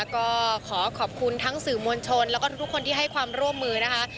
ก็ขอขอบคุณทั้งสื่อมวลชนแล้วก็ทุกคนที่ให้ความร่วมมือนะคะ